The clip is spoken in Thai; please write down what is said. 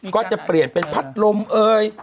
ก็จะเปลี่ยนเป็นพัดลมเอ่ย